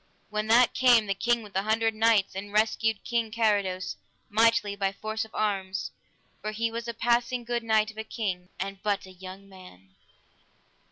With that came the King with the Hundred Knights and rescued King Carados mightily by force of arms, for he was a passing good knight of a king, and but a young man.